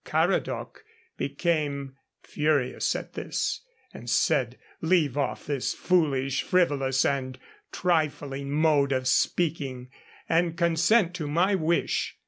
Caradoc became furious at this, and said, 'Leave off this foolish, frivolous, and trifling mode of speaking, and consent to my wish.'